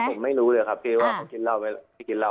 ใช่ครับผมไม่รู้เลยครับพี่ว่าเขาจะกินเหล้า